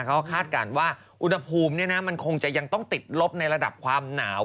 เขาคาดการณ์ว่าอุณหภูมิมันคงจะยังต้องติดลบในระดับความหนาว